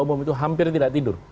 umum itu hampir tidak tidur